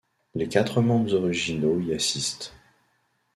Les quatre membres originaux y assistent.